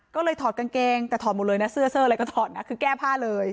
ก็เลยถอดกางเกงแต่ถอดหมดเลยนะเสื้อเสื้ออะไรก็ถอดนะคือแก้ผ้าเลย